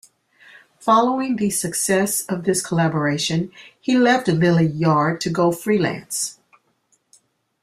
Following the success of this collaboration, he left Lillie Yard to go freelance.